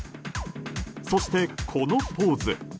そしてこのポーズ。